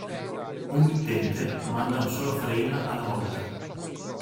Un mittente manda un solo frame alla volta.